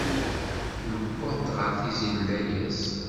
Newweḍ-d ɣer tizi n layas.